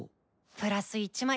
プラス１枚。